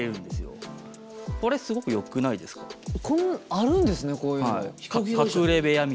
あるんですねこういうの。